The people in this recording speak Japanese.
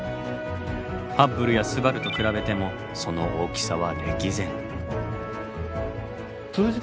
ハッブルやすばると比べてもその大きさは歴然。